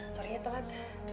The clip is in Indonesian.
sorry ya telat